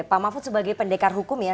pak mahfud sebagai pendekar hukum ya